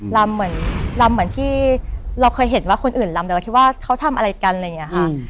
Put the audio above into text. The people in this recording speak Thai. ลำเหมือนที่เราเคยเห็นว่าคนอื่นลำแต่ว่าเขาทำอะไรกันอะไรอย่างนี้ค่ะ